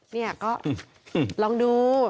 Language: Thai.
นี่ก็ลองดู